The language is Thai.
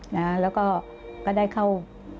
แล้วก็ก็ได้เข้า